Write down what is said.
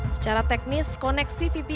secara teknis kita harus memiliki vpn yang tepat